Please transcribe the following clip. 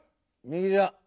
右じゃ。